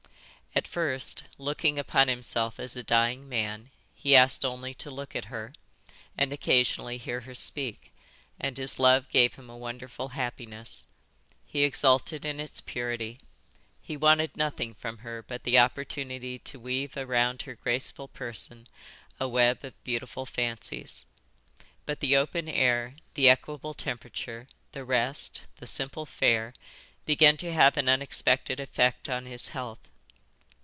At first, looking upon himself as a dying man, he asked only to look at her, and occasionally hear her speak, and his love gave him a wonderful happiness. He exulted in its purity. He wanted nothing from her but the opportunity to weave around her graceful person a web of beautiful fancies. But the open air, the equable temperature, the rest, the simple fare, began to have an unexpected effect on his health.